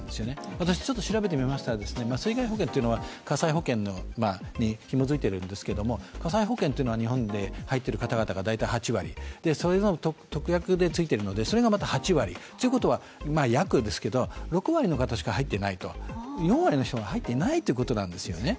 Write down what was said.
私ちょっと調べてみましたら、水害保険というのは火災保険にひも付いているんですけど、火災保険というのは入っている方々が大体８割、それの特約でついているので８割、だから約６割なので、４割の人が入っていないということなんですよね。